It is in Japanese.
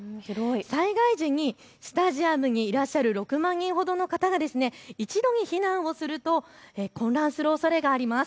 災害時にスタジアムにいらっしゃる６万人ほどの方が一度に避難をすると混乱するおそれがあります。